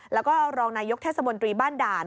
แล้วก็รองนายกเทศมนตรีบ้านด่าน